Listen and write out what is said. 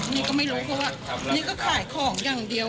นี่ก็ไม่รู้เพราะว่านี่ก็ขายของอย่างเดียว